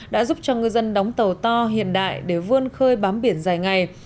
đã giúp cho ngư dân đóng tàu to hiện đại để vươn khơi bám biển dài ngày